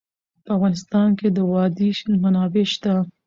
په افغانستان کې د وادي منابع شته.